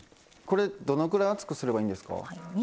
これどのぐらい厚くすればいいんですか？